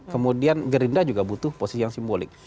kemudian gerindra juga butuh posisi yang simbolik